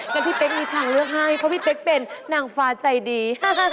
งั้นพี่เป๊กมีทางเลือกให้เพราะพี่เป๊กเป็นนางฟ้าใจดี